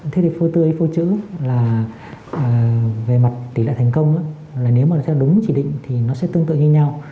thế thì phôi tươi phôi trữ là về mặt tỷ lệ thành công nếu mà theo đúng chỉ định thì nó sẽ tương tự như nhau